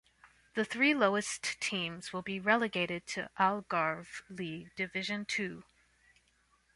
The three lowest teams will be relegated to Algarve League Division Two.